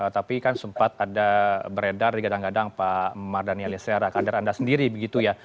tapi kan sempat ada beredar digadang gadang pak mardhani alisera kader anda sendiri begitu ya